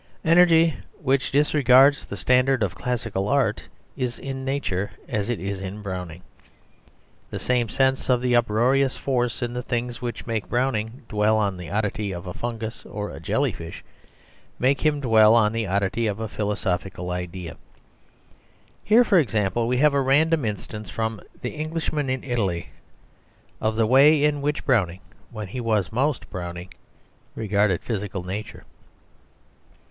Energy which disregards the standard of classical art is in nature as it is in Browning. The same sense of the uproarious force in things which makes Browning dwell on the oddity of a fungus or a jellyfish makes him dwell on the oddity of a philosophical idea. Here, for example, we have a random instance from "The Englishman in Italy" of the way in which Browning, when he was most Browning, regarded physical nature.